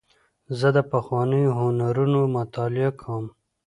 زه د پخوانیو هنرونو مطالعه کوم.